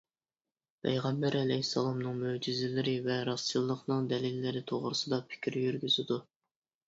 پەيغەمبەر ئەلەيھىسسالامنىڭ مۆجىزىلىرى ۋە راستچىللىقىنىڭ دەلىللىرى توغرىسىدا پىكىر يۈرگۈزىدۇ.